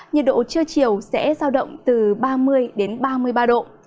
nhiệt độ trưa chiều sẽ giao động từ ba mươi đến ba mươi ba độ